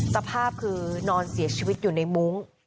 สภาพคือนอนเสียชีวิตอยู่ในมุ้ง